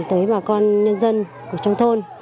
tới bà con nhân dân trong thôn